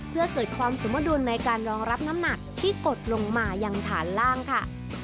เพื่อเกิดความสมดุลในการรองรับน้ำหนักที่กดลงมายังฐานล่างค่ะ